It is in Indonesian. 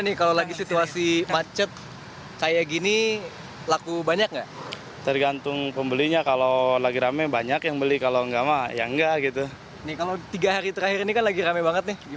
nih kalau tiga hari terakhir ini kan lagi rame banget nih gimana